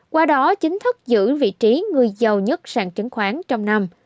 qua đó chính thức giữ vị trí người giàu nhất sàn chứng khoán trong năm